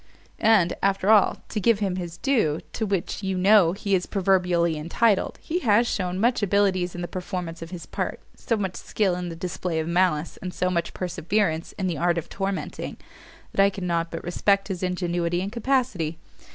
And, after all, to give him his due, to which, you know, he is even proverbially entitled, he has shewn such abilities in the performance of his part, so much skill in the display of malice, and so much perseverance in the art of tormenting, that I cannot but respect his ingenuity and capacity.